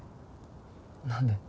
何で？